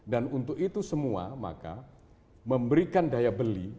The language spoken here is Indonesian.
dan untuk itu semua maka memberikan daya beli